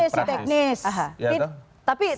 ini adalah kompetisi teknis